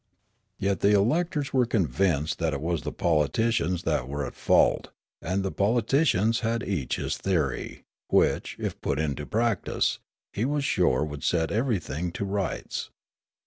Yet the electors were convinced that it was the poli ticians that were at fault ; and the politicians had each Wotnekst 215 his theory, which, if put into practice, he was sure would set everything to rights.